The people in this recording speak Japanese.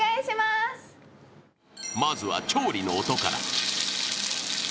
まずは調理の音から。